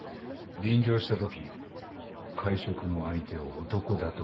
臨場したとき会食の相手を男だと見破ったな。